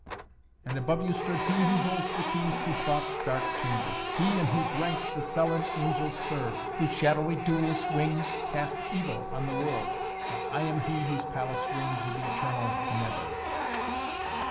And above you stood he who holds the keys to thought's dark chambers, he in whose ranks the sullen angels serve, whose shadowy dewless wings cast evil on the world. And I am he whose palace rings with the eternal Never!"